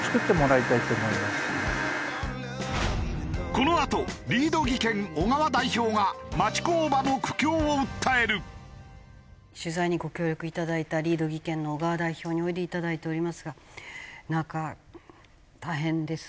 このあとリード技研小川代表が取材にご協力いただいたリード技研の小川代表においでいただいておりますがなんか大変ですね。